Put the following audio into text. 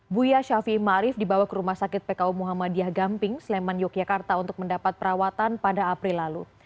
buya syafi ma arif dibawa ke rumah sakit pku muhammadiyah gamping sleman yogyakarta untuk mendapat perawatan pada april lalu